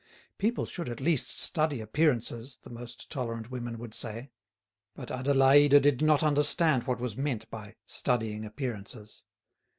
"People should at least study appearances," the most tolerant women would say. But Adélaïde did not understand what was meant by studying appearances.